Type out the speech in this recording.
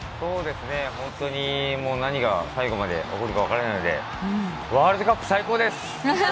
本当に何が最後まで起こるか分からないのでワールドカップ最高です！